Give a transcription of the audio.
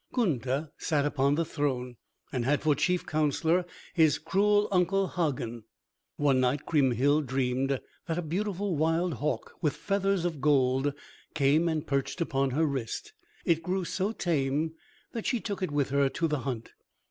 Gunther sat upon the throne and had for chief counselor his cruel uncle Hagen. One night Kriemhild dreamed that a beautiful wild hawk with feathers of gold came and perched upon her wrist. It grew so tame that she took it with her to the hunt.